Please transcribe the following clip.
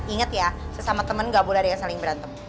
ingat ya sesama teman nggak boleh ada yang saling berantem